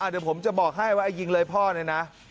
เดี๋ยวผมจะบอกให้ว่าไอ้ยิงเลยพ่อเนี่ยนะ